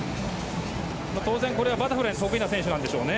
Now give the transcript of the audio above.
当然、バタフライが得意な選手なんでしょうね。